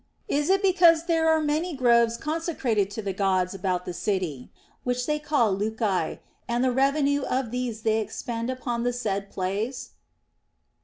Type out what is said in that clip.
Is it because there are many groves conse crated to the Gods about the city, which they call luci, and the revenue of these they expend upon the said plays